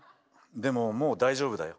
でももう大丈夫だよ。